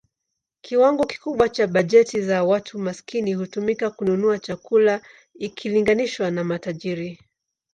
Kiwango kikubwa cha bajeti za watu maskini hutumika kununua chakula ikilinganishwa na matajiri.